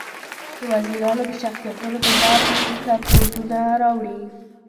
د وزیرانو د شخصیتونو په باب رپوټونه راوړي.